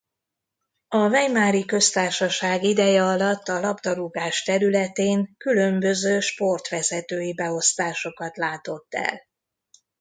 A Weimari köztársaság ideje alatt a labdarúgás területén különböző sportvezetői beosztásokat látott el.